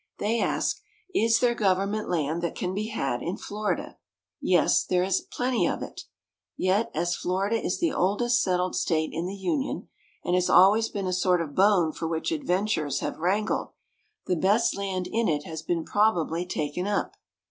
They ask, "Is there government land that can be had in Florida?" Yes, there is a plenty of it; yet, as Florida is the oldest settled State in the Union, and has always been a sort of bone for which adventurers have wrangled, the best land in it has been probably taken up.